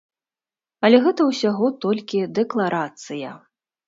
Але гэта ўсяго толькі дэкларацыя.